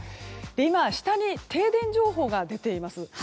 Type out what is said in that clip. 今、画面下に停電情報が出ています。